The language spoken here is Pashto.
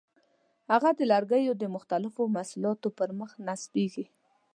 هغه د لرګیو د مختلفو محصولاتو پر مخ نصب کېږي.